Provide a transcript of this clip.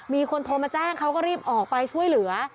มีคนโทรมาแจ้งเขาก็รีบออกไปช่วยเหลือ